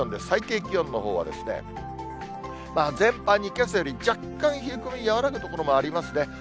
最低気温のほうは、全般にけさより若干冷え込み、和らぐ所もありますね。